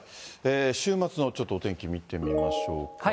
週末のちょっとお天気見てみましょうか。